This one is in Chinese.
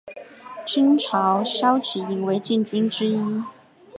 清朝骁骑营为禁军之一。